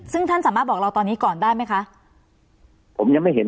ซึ่งท่านสามารถบอกเราตอนนี้ก่อนได้ไหมคะผมยังไม่เห็น